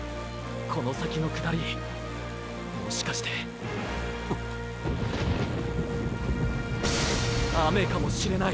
この先の下りもしかしてーー。っ！！雨かもしれない！